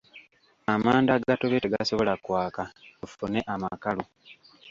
Amanda agatobye tegasobola kwaka tufune amakalu.